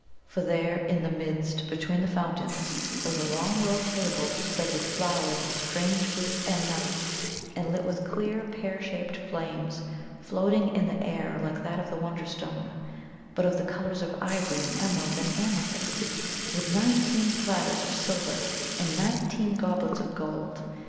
For there, in the midst between the fountains, was a long low table spread with flowers and strange fruits and nuts, and lit with clear, pear shaped flames floating in the air like that of the Wonderstone, but of the colours of ivory and emerald and amethyst; with nineteen platters of silver and nineteen goblets of gold.